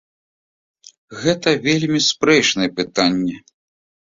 Гэта вельмі спрэчнае пытанне.